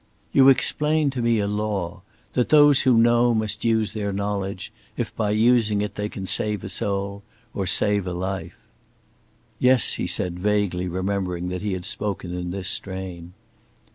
"You explained to me a law that those who know must use their knowledge, if by using it they can save a soul, or save a life." "Yes," he said, vaguely remembering that he had spoken in this strain.